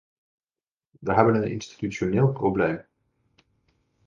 We hebben een institutioneel probleem.